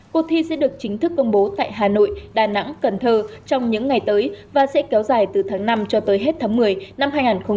cuộc thi sẽ được chính thức công bố tại hà nội đà nẵng cần thơ trong những ngày tới và sẽ kéo dài từ tháng năm cho tới hết tháng một mươi năm hai nghìn hai mươi